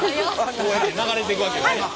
こうやって流れていくわけですね。